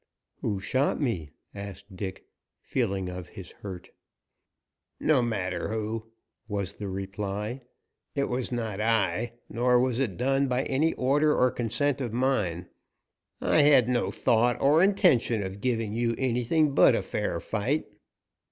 "Who shot me?" asked Dick, feeling of his hurt. "No matter who," was the reply. "It was not I, nor was it done by any order or consent of mine. I had no thought or intention of giving you anything but a fair fight."